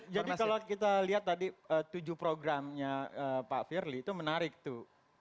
jadi kalau kita lihat tadi tujuh programnya pak firly itu menarik tuh